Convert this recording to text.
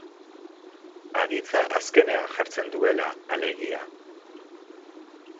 Aditza azkenean jartzen duela, alegia.